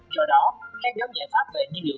do đó các giám giải pháp về nhiên liệu